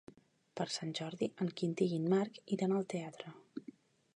Per Sant Jordi en Quintí i en Marc iran al teatre.